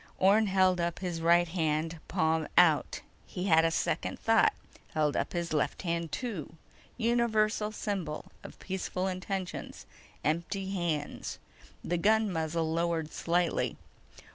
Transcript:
_ Orne held up his right hand, palm out. He had a second thought: held up his left hand, too. Universal symbol of peaceful intentions: empty hands. The gun muzzle lowered slightly.